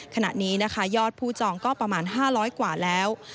ขณะนี้นะคะยอดผู้จองก็ประมาณ๕๐๐กว่าแล้ว